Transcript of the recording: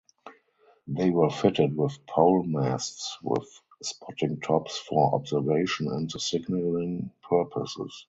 They were fitted with pole masts with spotting tops for observation and signaling purposes.